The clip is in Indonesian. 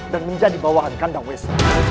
dan menjadi bawahan kandang ws